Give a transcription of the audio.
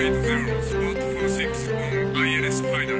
スポット４６オンＩＬＳファイナル。